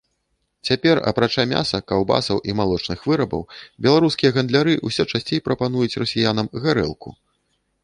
Цяпер, апрача мяса, каўбасаў і малочных вырабаў, беларускія гандляры ўсё часцей прапануюць расіянам гарэлку.